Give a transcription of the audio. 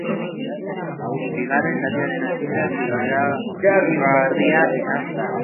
Bigarren zatiaren hasiera zirraragarria izan da.